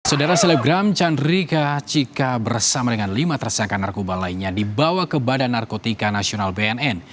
saudara selebgram chandrika cika bersama dengan lima tersangka narkoba lainnya dibawa ke badan narkotika nasional bnn